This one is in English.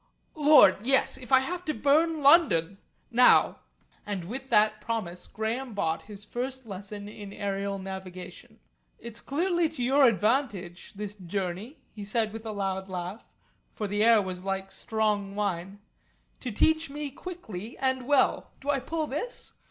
"Lord! Yes! If I have to burn London. Now!" And with that promise Graham bought his first lesson in aerial navigation. "It's clearly to your advantage, this journey," he said with a loud laugh for the air was like strong wine "to teach me quickly and well. Do I pull this?